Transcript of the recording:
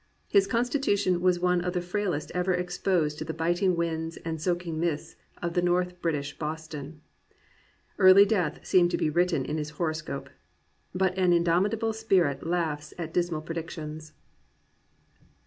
His constitution was one of the frailest ever exposed to the biting winds and soaking mists of the North British Boston, Early death seemed to be written in his horoscope. But an indomitable spirit laughs at dismal predictions.